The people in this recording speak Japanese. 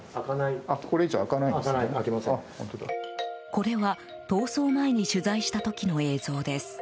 これは逃走前に取材した時の映像です。